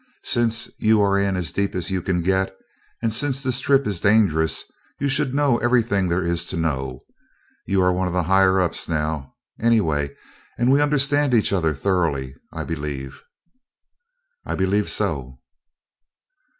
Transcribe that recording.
Since you are in as deep as you can get, and since this trip is dangerous, you should know everything there is to know. You are one of the higher ups now, anyway: and we understand each other thoroughly, I believe?" "I believe so."